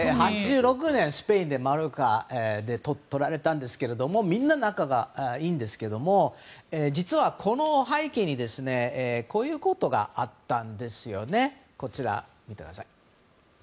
８６年、スペインのマヨルカ島で撮られたんですがみんな、仲がいいんですけど実はこの背景にこういうことがあったんですね。